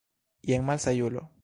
Jen, malsaĝulo!